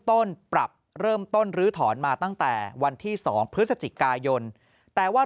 ปรับเริ่มต้นลื้อถอนมาตั้งแต่วันที่๒พฤศจิกายนแต่ว่า